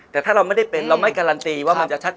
แต่ถ้าเราไม่ได้เป็นเราไม่การันตีว่ามันจะชัด